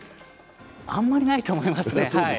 あんまりないと思いますね。